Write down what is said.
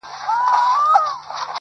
چا کۀ هر څومره دړدول نۀ ژړېدل وختونه